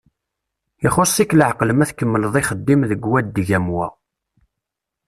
Ixuss-ik leɛqel ma tkemmleḍ ixeddim deg wadeg am wa.